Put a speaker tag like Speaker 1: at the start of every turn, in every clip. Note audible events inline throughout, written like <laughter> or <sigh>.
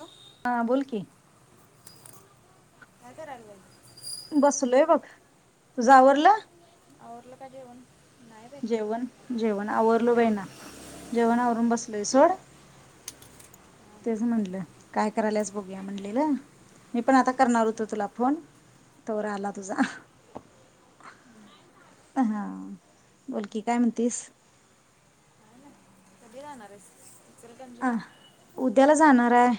Speaker 1: हो
Speaker 2: हा बोलकी.
Speaker 1: काय करालायस?
Speaker 2: बसलोय बघ. तुझ आवरल?
Speaker 1: आवरलं का जेवण? नाही बाई काय
Speaker 2: जेवण जेवण आवरलो बाईना जेवण आवरून बसलोय सोड. तेच म्हणटलं काय कराल्यास बघूया म्हणलेलं, मी पण आता करणार होतो तुला फोन तोवर आला तुझा. हा बोलकी, काय म्हणतीस?
Speaker 1: ना कधी राहणार आहेस?
Speaker 2: अ
Speaker 1: इचलकरंजीला
Speaker 2: उद्याला जाणार आहे.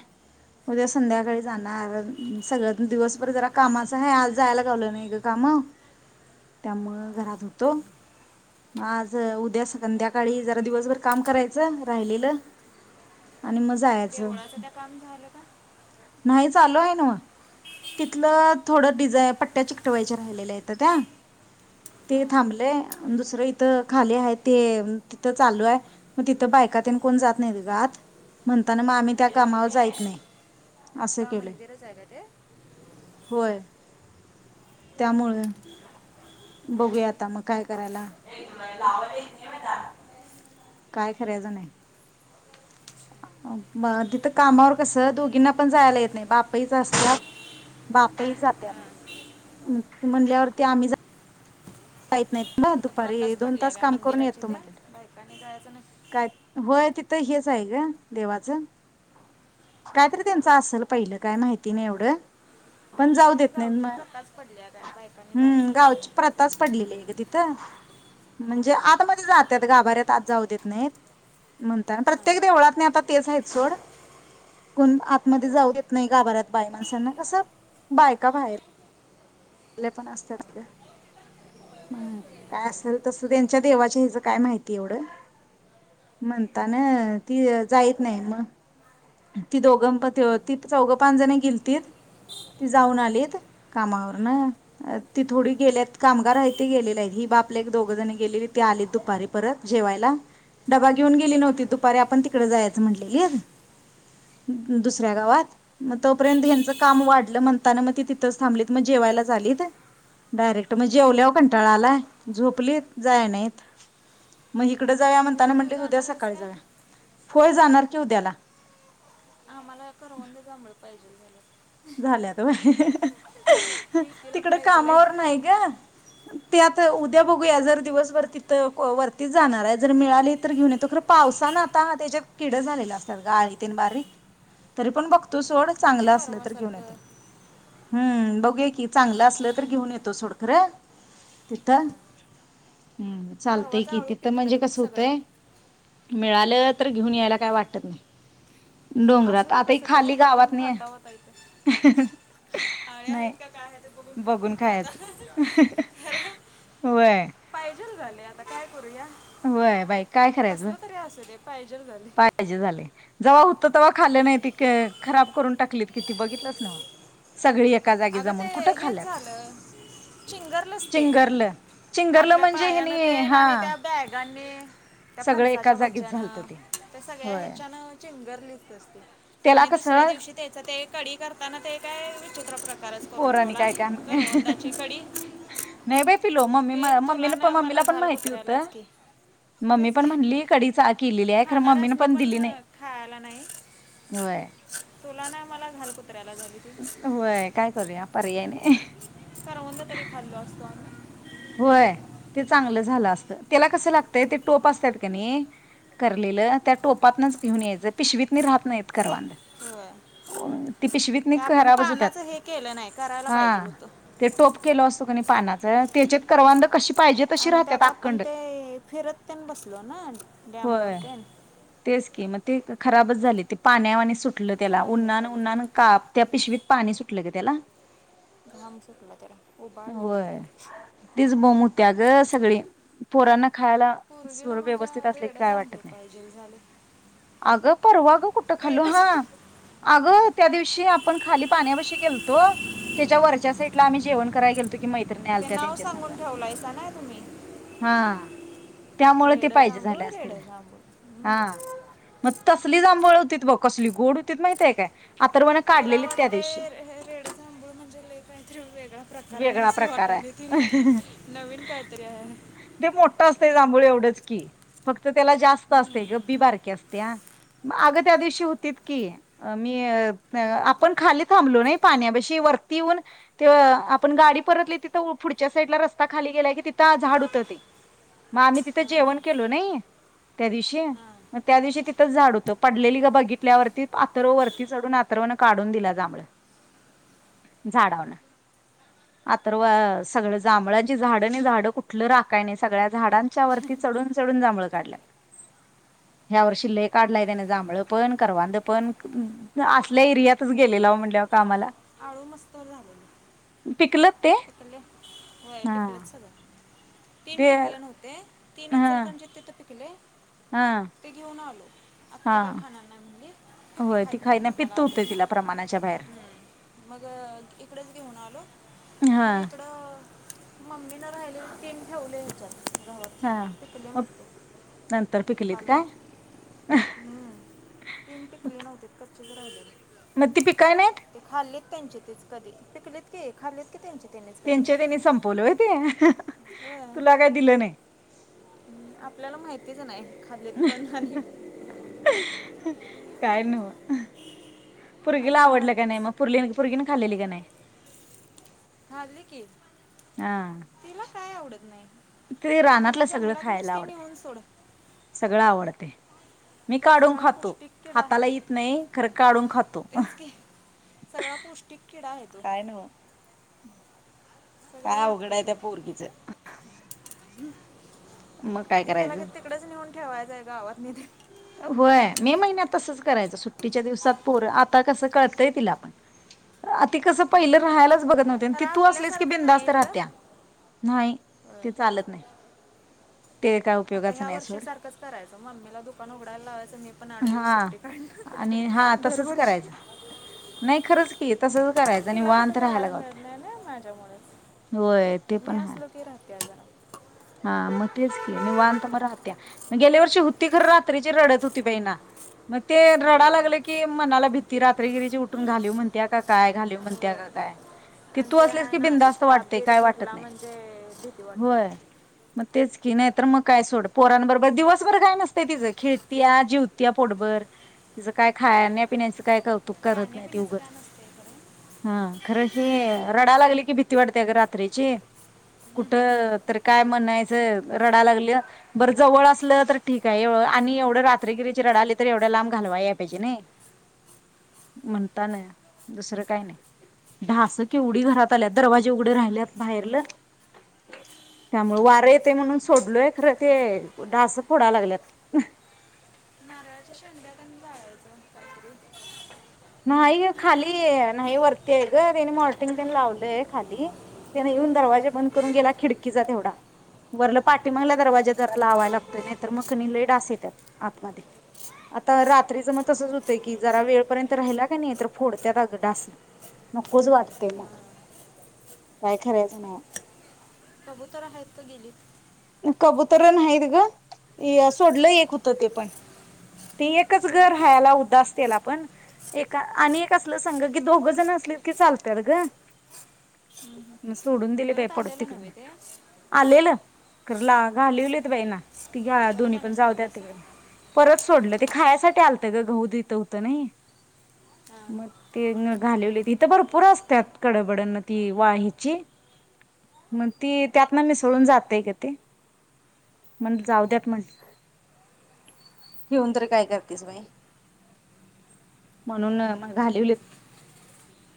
Speaker 2: उद्या संध्याकाळी जाणार सगळं दिवसभर जरा कामाचा आहे, उद्या संध्याकाळी जाणार सगळ दिवसभर जरा कामाच आहे आज जायला गावलं नाही ग काम त्यामुळं घरात होतो मग आज उद्या संध्याकाळी जरा दिवसभर काम करायचं राहिलेलं आणि म जायाच-
Speaker 1: देवळाचं त्या काम झालं का
Speaker 2: नाही चालू आहे नव, तिथलं थोडं डिझाय पट्ट्या चिकटवायच्या राहिलेल्या आहेत आता, ते
Speaker 1: हा.
Speaker 2: थांबलंय दुसरं इथं खाली आहे ते, तिथं चालू आहे मग तिथं बायका तेन कोण जात... नाहीत ग आत म्हणताना मग आम्ही त्या कामावर जाईत नाही. असं
Speaker 1: का?
Speaker 2: केलंय
Speaker 1: मंदिरच आहे का ते?
Speaker 2: होय, त्यामुळे? बघूया आता मग काय करायला? काय करायचं नाही. म तिथं कामावर कसं दोघींना पण जायला येत नाही बापए असत्यात बापयच
Speaker 1: हा.
Speaker 2: जात्यात म्हणल्यावरती आम्ही ज - काहीत नाहीत. ना
Speaker 1: तिथं
Speaker 2: दुपारी
Speaker 1: प्रथाच
Speaker 2: दोन
Speaker 1: पडल्या
Speaker 2: तास
Speaker 1: काय
Speaker 2: काम करून
Speaker 1: मंदिराची
Speaker 2: येतो
Speaker 1: त्या
Speaker 2: म्हटल
Speaker 1: बायकांनी जायचं नाही
Speaker 2: काय? होय- तिथं हेच आहे ग, देवाचं
Speaker 1: हां.
Speaker 2: कायतरी त्यांच असल पहिलं, काय माहिती नाही एवढं- पण जाऊ
Speaker 1: तेच
Speaker 2: देत नाही.
Speaker 1: गावची
Speaker 2: मग
Speaker 1: प्रथाच पडल्या काय बायकांनी
Speaker 2: हम्म
Speaker 1: जायचं नाही
Speaker 2: -गावची प्रथाच- <unintelligible> ग तिथं - म्हणजे
Speaker 1: हां.
Speaker 2: आतमध्ये जातात गाभाऱ्यात आज जाऊ देत- नाही -म्हणता
Speaker 1: हां.
Speaker 2: प्रत्येक देवळात नाही आता तेच आहेत सोड, कोण आतमध्ये
Speaker 1: होय.
Speaker 2: जाऊ देत नाही गाभा ऱ्यात बाई माणसांना कसं? बायका बाहेर- <unintelligible> पण असतात. हं काय असेल तस त्यांच्या देवाच्या हच काय माहिती एवढं म्हणताना ती जाईत नाही मग- ती दोघं -ती चौघं पाच जण गेलतीत. ते जाऊन आलेत- कामावरन ती थोडी गेल्यात. कामगार हायेत गेलेले आहेत. हे बाप लेक दोघ जण गेलेली ती आलीत दुपारी परत जेवायला. डबा घेऊन गेली नव्हती दुपारी आपण तिकडे जायचं म्हटलेली- दुसऱ्या गावात? मग तोपर्यंत यांचं काम वाढ- म म्हणताना मग तिथच थांबली, मग जेवायला आलीत डायरेक्ट. मग जेवल्यावर कंटाळा आला झोपलीत जाय नाईत मग इथ- तिकडे जावा म्हणताना
Speaker 1: तू
Speaker 2: म्हटल उद्या
Speaker 1: जाणार आहेस
Speaker 2: सकाळी जाव-
Speaker 1: काय
Speaker 2: होय, जाणार की उद्याला.
Speaker 1: आ -मला करवंद जांभूळ - पाहिजई झालं-
Speaker 2: झाल्यात <unintelligible>
Speaker 1: लिकीला
Speaker 2: तिकड
Speaker 1: पाहिजे आहे
Speaker 2: कामावर नाही ग,
Speaker 1: करवंद
Speaker 2: ते आ- उद्या बघूया, जर दिवसभर तिथं वरती जाणार आहे, जर मिळाली तर घेऊन येतो खर पावसान आता त्याच्यात किड झालेले असणार ग अळी तेन बारीक तरी पण बघ- तो सोड
Speaker 1: बघ
Speaker 2: चांगला असल-
Speaker 1: <unintelligible>
Speaker 2: हम्म -बघू या की चांगलं असलं तर, घेऊन येतो सोडखरं तिथं. हम्म- चालतय
Speaker 1: परवाचं
Speaker 2: की
Speaker 1: आळू
Speaker 2: तिथं म्हणजे
Speaker 1: पिकलं बघ
Speaker 2: कसं
Speaker 1: सगळं
Speaker 2: होतंय? मिळालं तर, घेऊन यायला काय वाटत नाही.
Speaker 1: असू
Speaker 2: डोंगरात
Speaker 1: दे
Speaker 2: आताही
Speaker 1: कसं तरी
Speaker 2: खाली
Speaker 1: बघून
Speaker 2: गावात मिळेल.
Speaker 1: खाता होता इथे आळ्या आहेत का काय आहे ते बघून <unintelligible> आता खर पाहिजे झाले- ता काय? करूया
Speaker 2: वय बाई काय करायचं
Speaker 1: कसलं तरी असू दे पाहिजे झाले
Speaker 2: पाहिजे झाले जव्हा होत तेव्हा खाल्लं नाही त खराब करून टाकलीत किती बघितलंच ना सगळी एका जागी
Speaker 1: अगं ते
Speaker 2: जमून कुठं
Speaker 1: हेच
Speaker 2: खाल्ल्यात
Speaker 1: झालं चिंगर लचते
Speaker 2: चिंगरलं चिंगरलं
Speaker 1: आपल्या
Speaker 2: म्हणजे
Speaker 1: पायान
Speaker 2: हेनी
Speaker 1: ते
Speaker 2: हा
Speaker 1: आणि त्या बॅगांनी प त्या
Speaker 2: सगळं एका
Speaker 1: फणसाच्या
Speaker 2: जागीच झालत
Speaker 1: वजनं
Speaker 2: ते.
Speaker 1: त्या सगळ्या
Speaker 2: होय
Speaker 1: ह्याच्यान चिंग बर नाही
Speaker 2: त्याला
Speaker 1: आणि दुसऱ्या
Speaker 2: कसं
Speaker 1: दिवशी त्याचा ते कढी करत त्यांना ते काय विचित्र करून
Speaker 2: पोरानी
Speaker 1: ठेवला
Speaker 2: काय काय
Speaker 1: करवंदाची कढी
Speaker 2: नाही बाई पिलो मम्मी
Speaker 1: ते तुला
Speaker 2: मम्मीने पण
Speaker 1: नाय मला
Speaker 2: मम्मीला पण
Speaker 1: घाल
Speaker 2: माहिती होतं.
Speaker 1: कुत्र्यालाच की
Speaker 2: मम्मी
Speaker 1: तेच
Speaker 2: पण
Speaker 1: की
Speaker 2: म्हणली कढी चा केलेली आहे खरं
Speaker 1: खाणार
Speaker 2: मम्मीने
Speaker 1: असणे पण
Speaker 2: दिली नाही.
Speaker 1: खायला नाही
Speaker 2: होय.
Speaker 1: तुला ना मला घाल कुत्र.
Speaker 2: होय काय करूया. पर्याय नाही
Speaker 1: करवंद तरी खाल्लो असतो.
Speaker 2: होय ते चांगलं झालं असत त्याला कस लागतय ते टोप असतात का नाही करलेलं त्या टोपातच घेऊन यायचं पिशवीत राहत नाहीत करवंद.
Speaker 1: होय
Speaker 2: पिशवीत न
Speaker 1: ते आपण
Speaker 2: खराबच होतयात,
Speaker 1: पानाचं हे केलं नाही करायला पाहिजे
Speaker 2: हां
Speaker 1: होतं
Speaker 2: ते टोप केलं असता पानाचं चे त्याच्यात करवंद कच्ची
Speaker 1: आणि त्यात आपण ते फिरततेन बसलो ना डॅम वर
Speaker 2: होय.
Speaker 1: ते
Speaker 2: तेच की मग ते खराबच झाले ते पाण्यावाणि चु म्ह त्याला
Speaker 1: त्याच्यानं हे
Speaker 2: उन्हाळन
Speaker 1: झालेत
Speaker 2: उनहान काप त्या पिशवीत पाणी सुटलं ग त्याला
Speaker 1: घाम सुटला त्यारा उ बाळले
Speaker 2: होय तीच बोम होत्या ग सग ळी पोरांना खायला स
Speaker 1: पोरगीला
Speaker 2: व्यवस्थित
Speaker 1: माझ्या
Speaker 2: असले क
Speaker 1: रेड
Speaker 2: काय
Speaker 1: जांभूळ
Speaker 2: वाटत नाही
Speaker 1: पाहिजे झाले
Speaker 2: अग परवा ग कुठ खालो
Speaker 1: रेड
Speaker 2: हा
Speaker 1: जांभूळ.
Speaker 2: अग त्या दिवशी आपण खाली पाण्यापाशी गेलतो त्याच्या वरच्या सा आम्ही जेवण करायला गेलतो की
Speaker 1: ते नाव
Speaker 2: मैत्रिणी
Speaker 1: सांगून ठेवलायसा ना तुम्ही
Speaker 2: हा त्यामुळे ते
Speaker 1: रेड
Speaker 2: पाहिजे
Speaker 1: जांभूळ
Speaker 2: झाले
Speaker 1: रेड
Speaker 2: असतील
Speaker 1: जांभूळ
Speaker 2: हा
Speaker 1: हम्म.
Speaker 2: मग तसली जांभूळ होती कसली गोड होतीत माहितय का आर्थवन
Speaker 1: तिला
Speaker 2: काढलेली त्या दिवशी
Speaker 1: वाटतंय हे रेड जांभूळ म्हणजे लय काहीतरी वेगळा प्रकार आहे
Speaker 2: वेगळा
Speaker 1: असं
Speaker 2: प्रकार आहे
Speaker 1: वाटायला
Speaker 2: अ
Speaker 1: तिला नवीन काहीतरी आहे
Speaker 2: ते मोठा असतय जांभोळे एवढेच की तर त्याला जास्त
Speaker 1: हम्म.
Speaker 2: असते गब्बी बारकीे असते ह अग त्या दिवशी होतीत की मी
Speaker 1: हां,
Speaker 2: आपण खाली थांबलो नाही पाण्यापाशी वरती येऊन ते आपण गाडी परतली तिथड आच्या साईडला रस्ता खाली गेला की तिथं झाड होतं ते मग आम्ही तिथं जेवण केलो नाही त्या दिवशी
Speaker 1: हां.
Speaker 2: मग त्या त्या साइटला रस्त्या खाली गेले तिथे झाड होत ते मग आम्ही तिथे जेवण केलं त्यादिवशी त्यादिवशी तिथंच झाड होत पडलेली ग बघितल्यावररती आथर्व नीवरती चढून आथर्वान काढून दिला जांभळ झाडान आतर्व सगळ जांभळाची झाडं नाही झाडं कुठलं राखाय नाही सगळ्यात झाडांच्या वरती चढून चढून जांभळ काढल्या ह्या वर्षी लय काढलाय त्यानं जांभळं पण करवंद पण अम्म असल्या एरियातच गेलेलाव म्हणल्या
Speaker 1: आळू मस्त झालेलं.
Speaker 2: पिकलत ते
Speaker 1: पिकले. होय पिकलेत सगळं. तीन
Speaker 2: ते
Speaker 1: टिकलं नव्हते. तीन
Speaker 2: हा
Speaker 1: इचलकरंजी <unintelligible> पिकले.
Speaker 2: हा
Speaker 1: ते घेऊन आलो.
Speaker 2: हा
Speaker 1: आत्ती काय खाणार नाही म्हणली. मी
Speaker 2: होय ती
Speaker 1: खायत
Speaker 2: खाईत नाही,
Speaker 1: म्हणली मला
Speaker 2: पित्त होतय
Speaker 1: आवडत
Speaker 2: तिला
Speaker 1: नाही
Speaker 2: प्रमाणाच्या बाहेर.
Speaker 1: हम्म. मग इकडेच घेऊन आलो.
Speaker 2: हा
Speaker 1: मग इकडं. मम्मीन राहिलेली तीन ठेवले हेच्यात.
Speaker 2: हा
Speaker 1: पिकलय
Speaker 2: मग
Speaker 1: म्हणलीत
Speaker 2: नंतर पिकलीत
Speaker 1: खाल्लो,
Speaker 2: काय
Speaker 1: हम् तीन पिकली नव्हतीत क तुझ राहिलं.
Speaker 2: मग ती पिकाय नाहीत.
Speaker 1: त्यांचे तेच कधी पिकलेत की खाल्लीत की त्यांचे. त्यांनीच कधी
Speaker 2: त्यांच्या त्यांनी संपवलय ते तुला काय दिलं नाही.
Speaker 1: हम् आपल्याला माहितीच नाही. खालेत पण आणि.
Speaker 2: काय नव्ह. पुर्गीला
Speaker 1: आजी
Speaker 2: आवडलं का
Speaker 1: नातीच
Speaker 2: नाही पुरली पोरगी ने खालेली का नाही. म <unintelligible>
Speaker 1: खाल्ली की. तिला काय आवडत नाही,
Speaker 2: ते रानातलं
Speaker 1: तिला
Speaker 2: सगळं
Speaker 1: जंगलात
Speaker 2: खायला
Speaker 1: नुसती
Speaker 2: आवडते
Speaker 1: नेऊन सोड.
Speaker 2: सगळं आवडतय. मी
Speaker 1: तो
Speaker 2: काढून
Speaker 1: सगळा
Speaker 2: खातो,
Speaker 1: पौष्टिक किडा
Speaker 2: हाताला
Speaker 1: आहे
Speaker 2: येत नाही खरं काढून खातो,
Speaker 1: तेच की सगळा पौष्टिक किडा आहे तो
Speaker 2: काय नव्ह.
Speaker 1: सगळं
Speaker 2: काय अवघड
Speaker 1: लागतंय
Speaker 2: हाय त्या
Speaker 1: त्याला
Speaker 2: पोरगीच?
Speaker 1: तुला काय तिकडच नीहुन? ठेवायचंय गावातनी तेन
Speaker 2: व्हय, मे महिन्यात तसच करायचं? सुट्टीच्या दिवसात पोर, आता कसं कळतंय तिला पण? आति कसं पहिलं राहायलाच बघत न्हवती आणि
Speaker 1: अरे
Speaker 2: तू असलीस की,
Speaker 1: आपल्यासारखं नाही
Speaker 2: बिंदास्त
Speaker 1: आहेत ग
Speaker 2: राहत्या. नाही ते चालत नाही. ते काय
Speaker 1: आता
Speaker 2: उपयोगाचं नाही
Speaker 1: ह्यार्षी
Speaker 2: सोड
Speaker 1: सारखंच करायचं मम्मीला दुकान उघड दालावाय त मी पण आठ दिवस
Speaker 2: हा
Speaker 1: सुट्टी
Speaker 2: आणि
Speaker 1: काढणार
Speaker 2: हा तसंच
Speaker 1: दरवर्षी.
Speaker 2: करायचं नाही खरंच की तसंच करायचं
Speaker 1: तिला कुठं
Speaker 2: निवांत राहायला
Speaker 1: जायाला मिळत
Speaker 2: गावतय
Speaker 1: नाही नइ
Speaker 2: होय ते
Speaker 1: माझ्यामुळचं. मी
Speaker 2: पण हाय
Speaker 1: असलो की राह त्याज
Speaker 2: हा मग तेच की निवांत म राहत्या. गेल्या वर्षी हुती खरं रात्रीची रडत हुती बईणा. मग ते रडा
Speaker 1: होय
Speaker 2: लागले की, मनाला भी ती रात्रीगिरीची उठून घालिव म्हणत्या का काय? घालिव म्हणत्या
Speaker 1: होय
Speaker 2: का काय? ती तू
Speaker 1: ते
Speaker 2: असलीस
Speaker 1: हाय
Speaker 2: की
Speaker 1: ना त
Speaker 2: बिंदास्त
Speaker 1: ताप
Speaker 2: वाटतय
Speaker 1: बीेप
Speaker 2: काय वाटत
Speaker 1: भरला
Speaker 2: नाही
Speaker 1: म्हणजे. भीती वाटते
Speaker 2: होय
Speaker 1: त.
Speaker 2: मग तेच की नाही तर मग काय सोड. पोरांबरोबर दिवसभर काय नसतंय तिचं खिळत्या, जिवत्या पोटभर तिज काय खाण्या पिण्याचं काय कौतुक? करत नाही ती उगच हा
Speaker 1: <unintelligible>
Speaker 2: खरं, हे रडा लागले की भीती वाटत्या गं रात्रीची. कुठं तर काय म्हणायचं रडा लागलं. बरं जवळ असलं तर ठीक हाय ए आणि एवढं रात्रीगिरीची रडा ली तर एवढ्या लांब घालवाय याला पाहिजे नइ म्हणतान. दुसरं काय नइ. ढासं केवढी घरात आल्यात दरवाजे उघढं राहिल्यात बाहेरलं. त्यामुळं वारं येतंय म्हणून सोडलोय, खरं ते ढासं फोडाय लागल्यात.
Speaker 1: नारळाच्या शेंड्या पण जाळायचं कातरून.
Speaker 2: नाही गं खाली नाही वरती आहे गं त्याने मॉर्टिंग तेन लावलंय खाली. त्यानं येऊन दरवाजा बंद करून गेला खिडकीचा तेवढा. वरलं पाटी मागलं दरवाज जरा लावाय लागतंय नाहीतर मग लई ढासं येत्यात आतमधी. आता रात्रीचं मग तसंच हुतंय कि जरा वेळ पर्यंत तर राहिला कने तर फोडत्यात अगं डास. नकोच वाटतंय मग, काय खऱ्याचं नव्ह.
Speaker 1: कबुतरं हाईत का गेलीत?
Speaker 2: कबुतरं नाहीत गं ए सोडलं एक होतं ते पण. ते एकच घर
Speaker 1: सोडलं
Speaker 2: राहायला
Speaker 1: परत
Speaker 2: उदासतेला पण, एक आणि असलं संघ की दोघ जण असले की चालत्यात गं. सोडून दि ये बाई
Speaker 1: परत
Speaker 2: पडुदे
Speaker 1: आलेलं
Speaker 2: तिकडं
Speaker 1: नव्हे ते
Speaker 2: म्हणलं. आलेलं खरं ला घालीवलीेत बाई ना. ती घ्या
Speaker 1: परत
Speaker 2: दोन्ही पण,
Speaker 1: आणि
Speaker 2: जाऊद्या
Speaker 1: सोडलं असं
Speaker 2: तिकडं परस म ते खासाठी आलत गं दूध हिथं हुतं नइ.
Speaker 1: हां
Speaker 2: मग ते घालवली. इथं भरपूर असत्यात, कडबडनं ती वाया ची. मग ती त्यात नं मिसळून जातंय गं ते. म जाऊ द्यात म्ह ठेऊन तर काय करतीस बाई, म्हणून मग घालवलीत,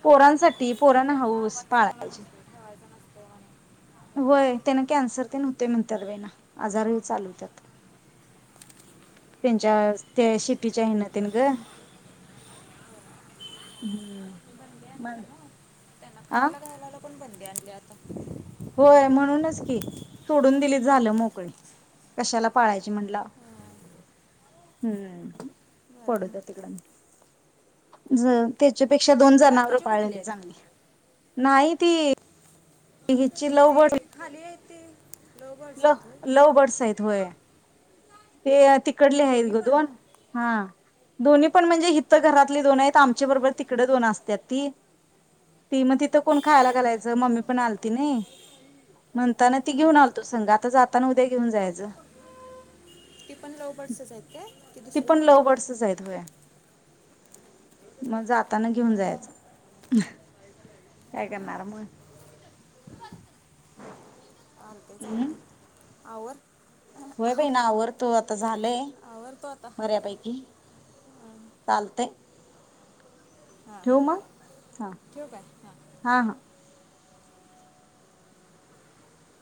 Speaker 2: पोरांसा
Speaker 1: ते त्यांचा आवाज चांगला नसतो, ठेवायचा नसतो. आणि
Speaker 2: होय, त्यांना कॅन्सर ते न हुतंय म्हणत्यात बाईना. आजार ही चालु हुत्यात, त्यांच्या त्या शिपीच्या ह्यनं तीनं गं. हम्
Speaker 1: बंदी
Speaker 2: म
Speaker 1: आणली ना खायला खायला पण बन <inaudible>
Speaker 2: होय म्हणूनच की सोडून दिली झालं मोकळी कशाला पाळायची म्हणलाव,
Speaker 1: हां,
Speaker 2: हम्म!
Speaker 1: बरं
Speaker 2: पडू
Speaker 1: अजून.
Speaker 2: दया तिकडंन ज ते शेपेक्षा दोन
Speaker 1: आणि ते
Speaker 2: जनावर
Speaker 1: बाकीचे कुठले
Speaker 2: पाळलेली
Speaker 1: आहेत
Speaker 2: चांगली. नाही ती हीची
Speaker 1: ते
Speaker 2: लवड
Speaker 1: खाली इथे
Speaker 2: लव, लव बर्डस हाईत होय. तेअ ति कडले हायत
Speaker 1: दोन्ही
Speaker 2: ग
Speaker 1: पण
Speaker 2: दोन. हां. दोन्ही पण म्हणजे, हिथं घरातले दोन आहेत. आमच्याबरोबर तिकड दोन असत्यात ती, ती म तिथं कोण खायला घालायचं? मम्मी पण आलती नाई, म्हणताना ती
Speaker 1: हां
Speaker 2: घेऊन- आलतो संग, आता जाताना उद्या घेऊन जायचं.
Speaker 1: ती लव बर्डसच हाय काय? की,
Speaker 2: ती
Speaker 1: दुसरी
Speaker 2: पण
Speaker 1: कुठली
Speaker 2: लव
Speaker 1: हाईत?
Speaker 2: बर्ड्सच आहेत होय मग जाताना घेऊन जायचं. काय करणार मग?
Speaker 1: चालतय,
Speaker 2: हम्म
Speaker 1: चालतय आवर
Speaker 2: होय बाईणा आवर. तो आता झालंय.
Speaker 1: आवरतो आता
Speaker 2: बऱ्यापैकी चालतय.
Speaker 1: हां
Speaker 2: ठेवू मग, हां
Speaker 1: ठेवू काय हां
Speaker 2: हा हां.